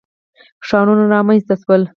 ښارونه رامنځته شول.